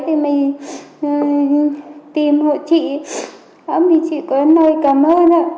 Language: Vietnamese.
thì mày tìm chị chị có nơi cảm ơn